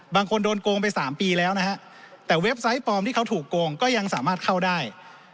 บางคนโดนโกงไป๓ปีแล้วนะฮะแต่เว็บไซต์ปลอมที่เขาถูกโกงก็ยังสามารถเข้าได้